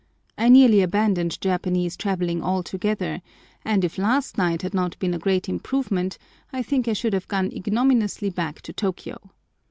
I nearly abandoned Japanese travelling altogether, and, if last night had not been a great improvement, I think I should have gone ignominiously back to Tôkiyô.